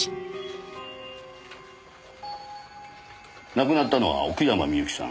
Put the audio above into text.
亡くなったのは奥山深雪さん。